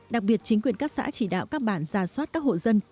đặc biệt chính quyền các xã chỉ đạo các bản ra soát các hộ dân